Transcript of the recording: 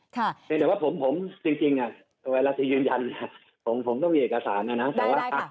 แต่ว่าผมจริงเวลาที่ยืนยันผมต้องมีเอกสารนะนะ